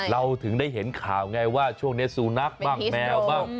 เราถึงได้เห็นข่าวไงว่าช่วงนี้ซูนักมักแมว